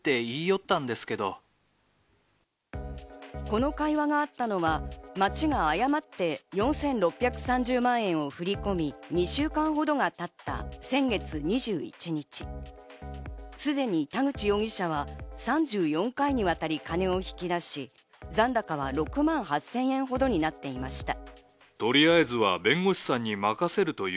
この会話があったのは町が誤って４６３０万円を振り込み、２週間ほどが経った先月２１日、すでに田口容疑者は３４回にわたり金を引き出し、残高は６万８０００円ほどになっていました。